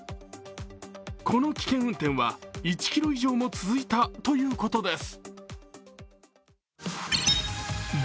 この危険運転は１ｋｍ以上も続いたということです。